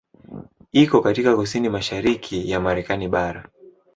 Iko katika kusini-mashariki ya Marekani bara.